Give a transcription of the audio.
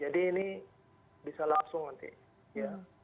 jadi ini bisa langsung nanti ya